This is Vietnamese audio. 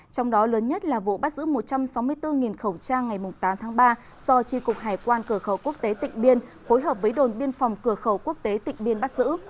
trong đó lớn nhất là vụ bắt giữ một trăm sáu mươi bốn khẩu trang ngày tám tháng ba do tri cục hải quan cửa khẩu quốc tế tịnh biên hối hợp với đồn biên phòng cửa khẩu quốc tế tịnh biên bắt giữ